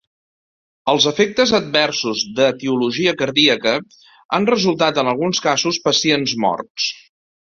Els efectes adversos d'etiologia cardíaca han resultat en alguns casos pacients morts.